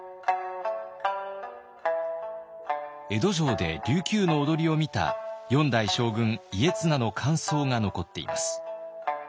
江戸城で琉球の踊りを見た４代将軍家綱の感想が残っています。